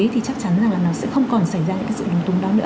thì chắc chắn rằng là nó sẽ không còn xảy ra những cái sự lúng túng đó nữa